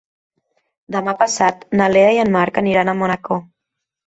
Demà passat na Lea i en Marc aniran a Manacor.